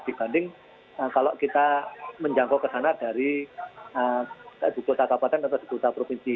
dibanding kalau kita menjangkau ke sana dari buputra kabupaten atau buputra provinsi